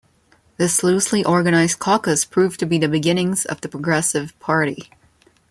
This loosely-organized caucus proved to be the beginnings of the Progressive party.